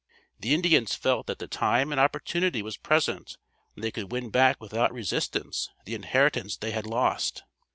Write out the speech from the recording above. The Indians felt that the time and opportunity was present when they could win back without resistance the inheritance they had lost.